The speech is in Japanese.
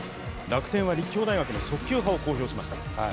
楽天は立教大学の速球派を公表しました。